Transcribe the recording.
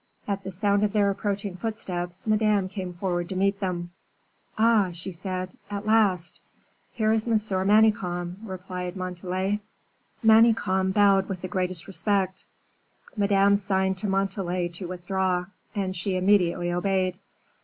At the sound of their approaching footsteps, Madame came forward to meet them. "Ah!" she said, "at last!" "Here is M. Manicamp," replied Montalais. Manicamp bowed with the greatest respect; Madame signed to Montalais to withdraw, and she immediately obeyed.